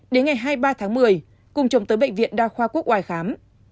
đến ngày hai mươi ba tháng một mươi cùng chồng tới bệnh viện đa khoa quốc oai khám